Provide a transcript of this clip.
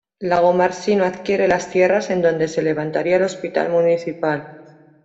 Lagomarsino adquiere las tierras en donde se levantaría el hospital municipal.